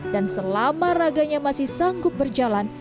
dan selama raganya masih sanggup berjalan